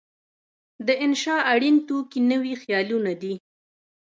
د انشأ اړین توکي نوي خیالونه دي.